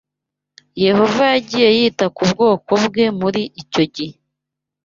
Yehova yagiye yita ku bwoko bwe muri icyo gihe